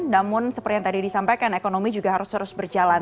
namun seperti yang tadi disampaikan ekonomi juga harus terus berjalan